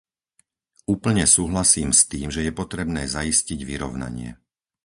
Úplne súhlasím s tým, že je potrebné zaistiť vyrovnanie.